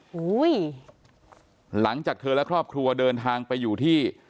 โอ้โหหลังจากเธอและครอบครัวเดินทางไปอยู่ที่